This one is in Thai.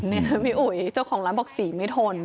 นี่พี่อุ๋ยเจ้าของร้านบอกสีไม่ทน